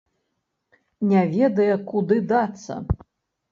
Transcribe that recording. Не ведае, куды дацца.